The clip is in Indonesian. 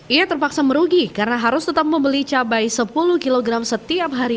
ia terpaksa merugi karena harus tetap membeli cabai sepuluh kg setiap hari